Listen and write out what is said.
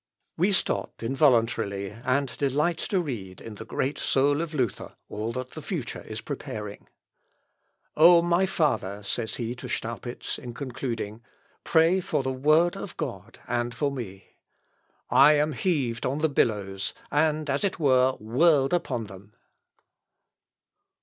We stop involuntarily and delight to read in the great soul of Luther all that the future is preparing. "O! my father," says he to Staupitz in concluding, "pray for the word of God and for me. I am heaved on the billows, and as it were whirled upon them."